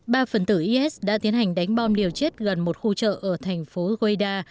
ba phần tử is đã tiến hành đánh bom điều chết gần một khu chợ ở thành phố guaida